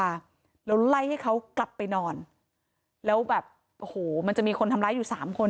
มาแล้วไล่ให้เขากลับไปนอนแล้วแบบโอ้โหมันจะมีคนทำร้ายอยู่สามคน